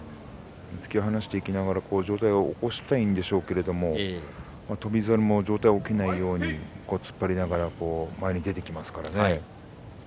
突き放していきながら上体を起こしたいんでしょうけれど翔猿も上体が起きないように突っ張りながら前に出てきますからね。